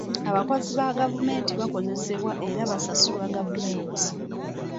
Abakozi ba gavumenti bakozesebwa era basasulwa gavumenti.